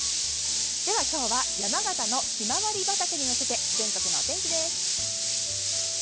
では、今日は山形のヒマワリ畑に乗せて全国のお天気です。